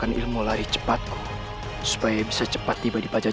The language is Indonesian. aku melakukan kesempatan untuk tidak dibigit